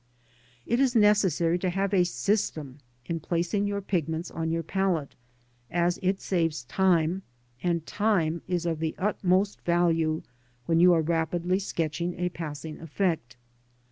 It is necessary to have a system in placing your pigments on your palette, as it saves time, and time is of the utmost value when you are rapidly sketching a passing effect.